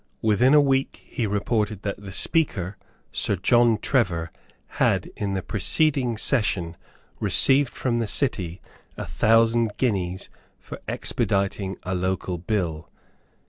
Within a week he reported that the Speaker, Sir John Trevor, had in the preceding session received from the City a thousand guineas for expediting a local bill.